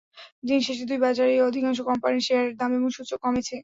দিন শেষে দুই বাজারেই অধিকাংশ কোম্পানির শেয়ারের দাম এবং সূচক কমেছে।